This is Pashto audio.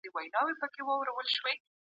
په دفترونو کي باید د خلګو کارونه ژر خلاص سي.